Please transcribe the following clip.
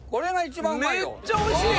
めっちゃおいしい！